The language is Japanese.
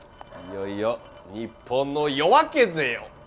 いよいよ日本の夜明けぜよ！